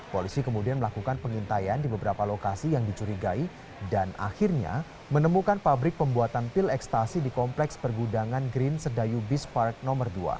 polisi kemudian melakukan pengintaian di beberapa lokasi yang dicurigai dan akhirnya menemukan pabrik pembuatan pil ekstasi di kompleks pergudangan green sedayu bis park nomor dua